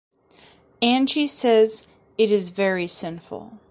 Ange says it is very sinful.